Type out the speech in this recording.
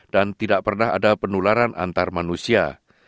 dan tidak pernah ada penularan antar manusia